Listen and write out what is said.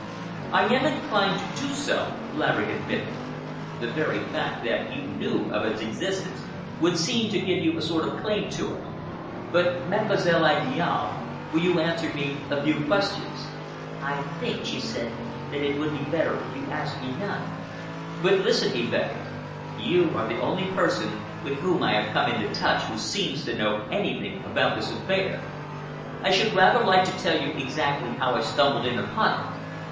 "I am inclined to do so," Laverick admitted. "The very fact that you knew of its existence would seem to give you a sort of claim to it. But, Mademoiselle Idiale, will you answer me a few questions?" "I think," she said, "that it would be better if you asked me none." "But listen," he begged. "You are the only person with whom I have come into touch who seems to know anything about this affair. I should rather like to tell you exactly how I stumbled in upon it.